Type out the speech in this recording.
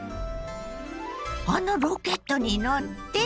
あのロケットに乗って？